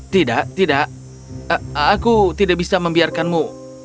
tidak tidak aku tidak bisa membiarkanmu